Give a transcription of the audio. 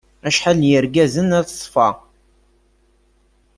Acḥal n yergazen at ṣṣfa.